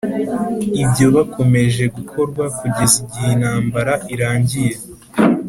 ibyo bakomeje gukorwa kugeza igihe intambara irangiye.